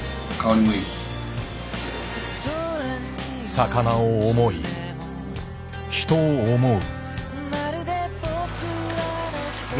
魚を思い人を思う。